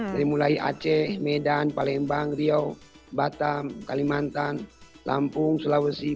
dari mulai aceh medan palembang rio batam kalimantan lampung sulawesi bali bahkan